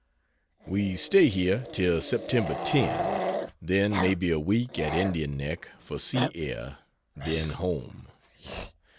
We stay here till Sep. 10; then maybe a week at Indian Neck for sea air, then home.